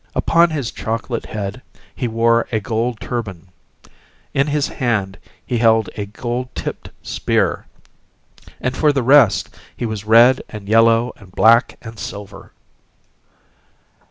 Upon his chocolate head he wore a gold turban; in his hand he held a gold tipped spear; and for the rest, he was red and yellow and black and silver.